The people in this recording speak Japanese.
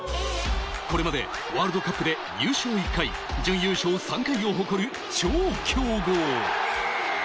これまでワールドカップで優勝１回、準優勝３回を誇る超強豪。